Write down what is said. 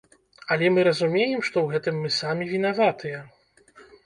Але мы разумеем, што ў гэтым мы самі вінаватыя.